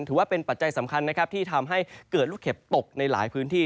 ถือว่าเป็นปัจจัยสำคัญที่ทำให้เกิดลูกเข็บตกในหลายพื้นที่